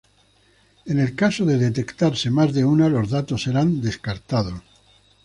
En el caso de detectarse más de una, los datos serán descartados.